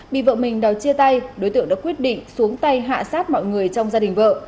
bị vợ mình đòi chia tay đối tượng đã quyết định xuống tay hạ sát mọi người trong gia đình vợ